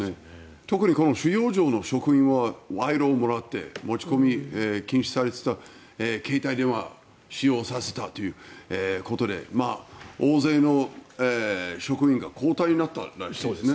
特に収容所の職員は賄賂をもらって持ち込みを禁止されていた携帯電話を使用させたということで大勢の職員が交代になったらしいですね。